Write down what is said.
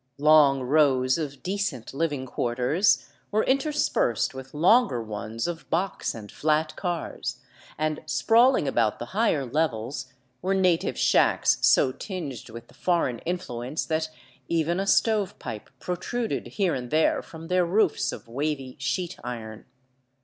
Long rows of decent living quarters were interspersed with longer ones of box and flat cars, and sprawling about the higher levels were native shacks so tinged with the foreign influence that even a stove pipe protruded here and there from their roofs of wavy sheet iron.